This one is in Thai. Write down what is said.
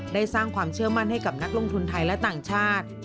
ได้สร้างความเชื่อมั่นให้กับนักลงทุนไทยและต่างชาติ